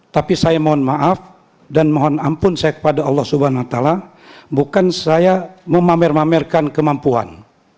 tapi saya mohon maaf dan mohon ampun saya kepada allah swt bukan saya memamer pamerkan kemampuan